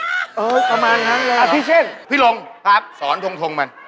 เออประมาณนั้นเลยเหรอพี่เช่นพี่ลงสอนทงมัน